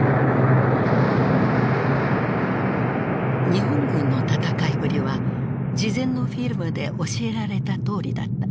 日本軍の戦いぶりは事前のフィルムで教えられたとおりだった。